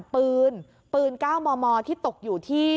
ปืนปืน๙มมที่ตกอยู่ที่